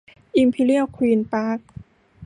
อิมพีเรียลควีนส์ปาร์ค